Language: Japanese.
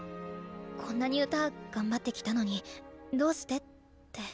こんなに歌頑張ってきたのにどうしてって。